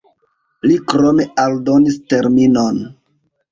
Li krome aldonis terminon.